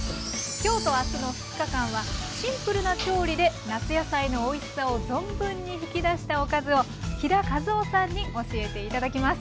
今日と明日の２日間はシンプルな調理で夏野菜のおいしさを存分に引き出したおかずを飛田和緒さんに教えて頂きます。